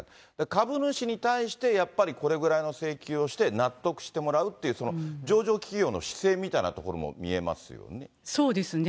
株主に対して、やっぱりこれぐらいの請求をして、納得してもらうっていう、その上場企業の姿勢みそうですね。